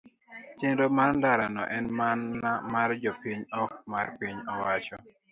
chenro mar ndara no en mana mar jopiny to ok mar piny owacho.